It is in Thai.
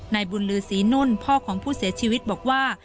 นายบุญลือศรีนุ่นพ่อของผู้เสียชีวิตบอกว่า